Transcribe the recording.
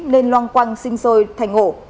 nên loang quăng sinh sôi thành ổ